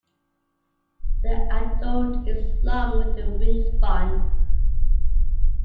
The adult is long with a wingspan.